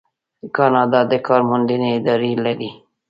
کاناډا د کار موندنې ادارې لري.